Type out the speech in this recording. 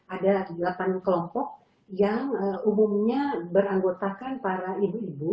ada delapan kelompok yang umumnya beranggotakan para ibu ibu